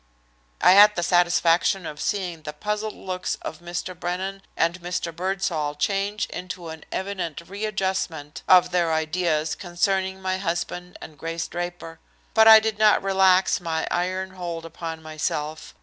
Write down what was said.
I had the satisfaction of seeing the puzzled looks of Mr. Brennan and Mr. Birdsall change into an evident readjustment of their ideas concerning my husband and Grace Draper. But I did not relax my iron hold upon myself.